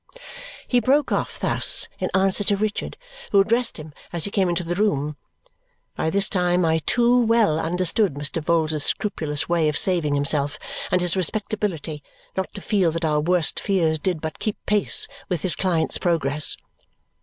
He broke off thus in answer to Richard, who addressed him as he came into the room. By this time I too well understood Mr. Vholes's scrupulous way of saving himself and his respectability not to feel that our worst fears did but keep pace with his client's progress.